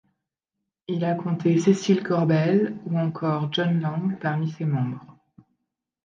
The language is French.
Il a compté Cécile Corbel ou encore John Lang parmi ses membres.